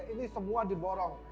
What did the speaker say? ini semua diborong